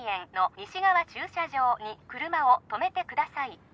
西側駐車場に車を止めてください